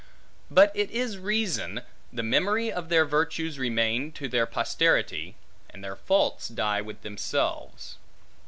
But it is reason, the memory of their virtues remain to their posterity, and their faults die with themselves.